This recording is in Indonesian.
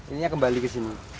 ini kembali ke sini